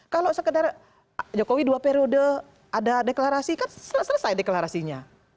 kalau sekedar jokowi dua periode ada deklarasi kan selesai deklarasinya